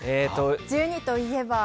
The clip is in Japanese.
１２と言えば？